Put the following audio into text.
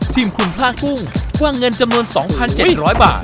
ทีมคุณพระกุ้งกว้างเงินจำนวน๒๗๐๐บาท